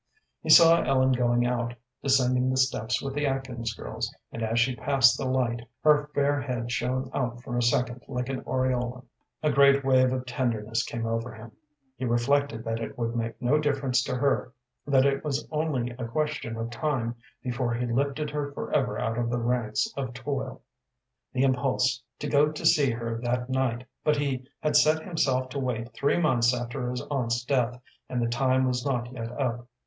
He saw Ellen going out, descending the steps with the Atkins girls, and as she passed the light, her fair head shone out for a second like an aureole. A great wave of tenderness came over him. He reflected that it would make no difference to her, that it was only a question of time before he lifted her forever out of the ranks of toil. The impulse was strong upon him to go to see her that night, but he had set himself to wait three months after his aunt's death, and the time was not yet up.